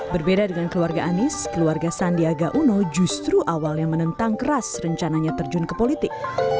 berbeda dengan keluarga anies keluarga sandiaga uno justru awalnya menentang keras rencananya terjun ke politik